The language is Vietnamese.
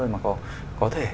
mà có thể